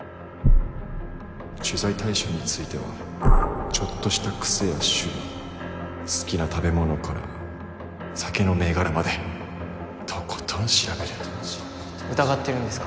取材対象についてはちょっとした癖や趣味好きな食べ物から酒の銘柄までとことん調べる疑ってるんですか？